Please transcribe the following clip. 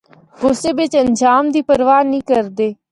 غصے بچ انجام دی پرواہ نیں کردے۔